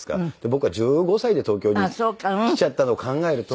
僕は１５歳で東京に来ちゃったのを考えると。